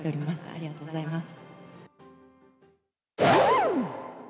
ありがとうございます。